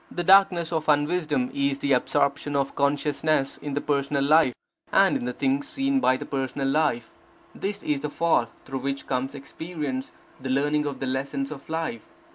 The darkness of unwisdom is the absorption of consciousness in the personal life, and in the things seen by the personal life. This is the fall, through which comes experience, the learning of the lessons of life.